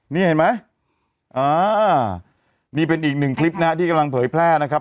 นี่เห็นไหมอ่านี่เป็นอีกหนึ่งคลิปนะฮะที่กำลังเผยแพร่นะครับ